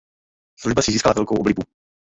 Služba si získala velkou oblibu.